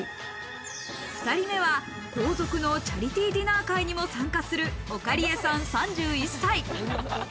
２人目は皇族のチャリティーディナー会にも参加する、おかりえさん、３１歳。